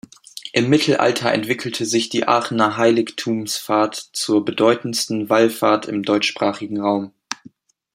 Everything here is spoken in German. Im Mittelalter entwickelte sich die Aachener Heiligtumsfahrt zur bedeutendsten Wallfahrt im deutschsprachigen Raum.